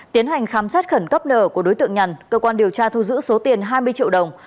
tiến hành khám sát khẩn cấp nở của đối tượng nhần cơ quan điều tra thu giữ số tiền hai mươi triệu đồng